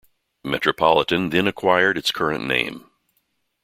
Metropolitan then acquired its current name.